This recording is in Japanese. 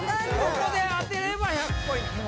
ここで当てれば１００ポイント